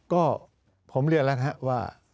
ก็ผมเรียนแล้วครับว่า